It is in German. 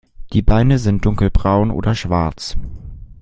Die Beine sind dunkelbraun oder schwarz.